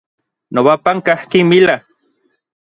Nobapan kajki mila.